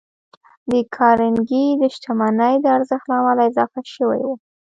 د کارنګي د شتمنۍ د ارزښت له امله اضافه شوي وو.